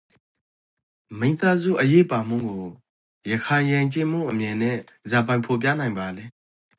မိသားစုအရေးပါမှုကိုရခိုင်ယဉ်ကျေးမှုအမြင်နန့်ဇာပိုင် ဖော်ပြနိုင်ပါလဲ?